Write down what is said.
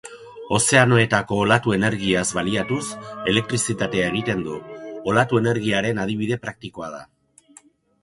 Ozeanoetako olatu energiaz baliatuz, elektrizitatea egiten du. Olatu-energiaren adibide praktikoa da.